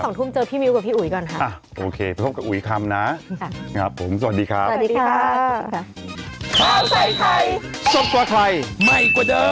โปรดติดตามตอนต่อไป